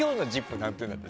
何点だったの？